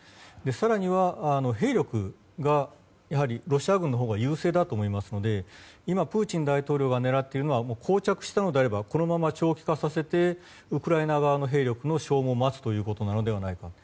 更には、兵力がやはり、ロシア軍のほうが優勢だと思いますので今プーチン大統領が狙っているのは膠着したのであればこのまま長期化させてウクライナ側の兵力の消耗を待つということなのではないかと。